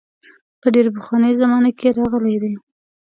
په ډېره پخوانۍ زمانه کې راغلي دي.